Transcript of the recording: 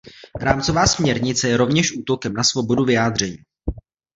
Rámcová směrnice je rovněž útokem na svobodu vyjádření.